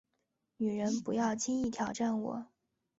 女人，不要轻易挑战我